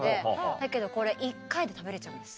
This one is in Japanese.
だけどこれ１回で食べれちゃうんです。